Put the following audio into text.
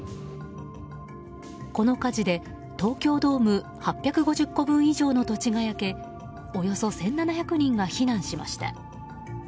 この火事で東京ドーム８５０個分以上の土地が焼けおよそ１７００人が避難しました。